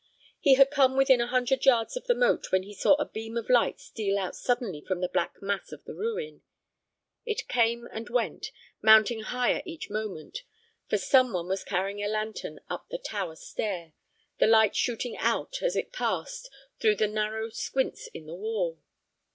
He had come within a hundred yards of the moat when he saw a beam of light steal out suddenly from the black mass of the ruin. It came and went, mounting higher each moment, for some one was carrying a lantern up the tower stair, the light shooting out, as it passed, through the narrow squints in the wall.